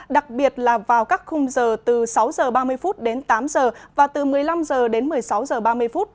đặc biệt là vào các khung giờ từ sáu h ba mươi phút đến tám giờ và từ một mươi năm h đến một mươi sáu h ba mươi phút